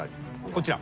こちら。